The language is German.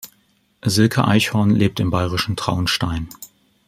Silke Aichhorn lebt im bayerischen Traunstein.